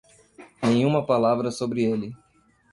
Nenhuma palavra sobre ele.